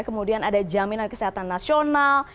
kemudian ada jaminan kesehatan nasional